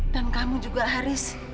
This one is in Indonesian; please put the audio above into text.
dan kamu juga haris